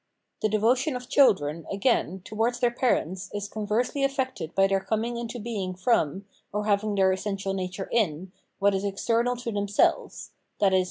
The devotion of children, again, towards their parents is conversely affected by their coming into being from, or having their essential nature in, what is external to themselves (viz.